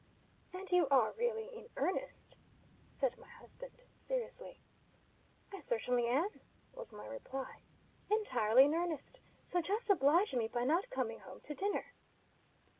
"And you are really in earnest?" said my husband, seriously. "I certainly am," was my reply. "Entirely in earnest. So, just oblige me by not coming home to dinner."